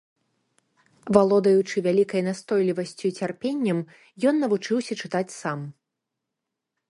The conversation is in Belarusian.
Валодаючы вялікай настойлівасцю і цярпеннем, ён навучыўся чытаць сам.